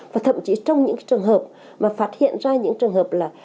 và thậm chí trong những trường hợp mà phát hiện ra những trường hợp là